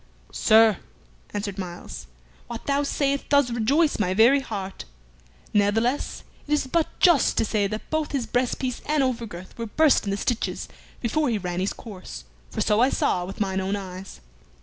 "Sir," answered Myles, "what thou sayest doth rejoice my very heart. Ne'theless, it is but just to say that both his breast piece and over girth were burst in the stitches before he ran his course, for so I saw with mine own eyes."